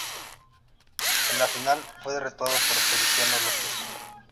En la final fue derrotado por Feliciano López.